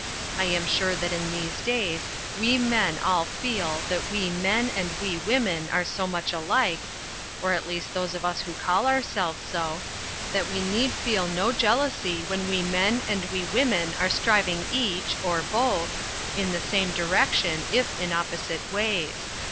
I am sure that in these days We Men all feel that We Men and We Women are so much alike, or at least those of us who call ourselves so, that we need feel no jealousy when We Men and We Women are striving each, or both, in the same direction if in opposite ways.